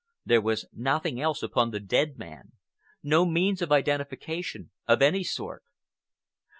There was nothing else upon the dead man, no means of identification of any sort.